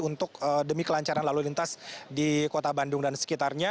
untuk demi kelancaran lalu lintas di kota bandung dan sekitarnya